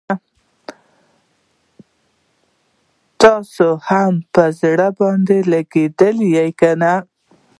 ستا هم پر زړه باندي لګیږي کنه؟